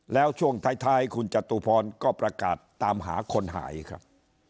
แล้วช่วงท้ายคุณจตุพรก็ประกาศตามหาคนหายครับ